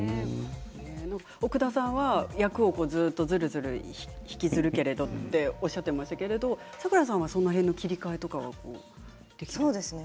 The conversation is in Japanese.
奥田さんは役をずっと、ずるずる引きずるけれどとおっしゃっていましたけれどサクラさんはその辺の切り替えとかはできるんですか？